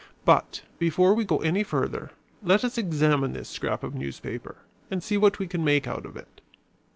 But before we go any further, let us examine this scrap of newspaper and see what we can make out of it."